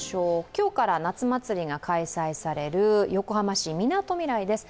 今日から夏祭りが開催される横浜市みなとみらいです。